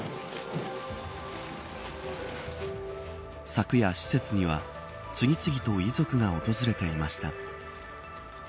昨夜、施設には次々と遺族が訪れていました。